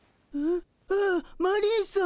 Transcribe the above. ん？あっマリーさん。